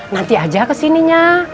nanti aja kesininya